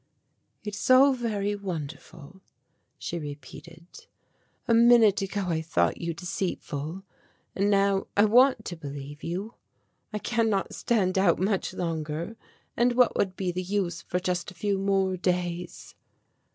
"It is all very wonderful," she repeated; "a minute ago I thought you deceitful, and now I want to believe you. I can not stand out much longer and what would be the use for just a few more days?"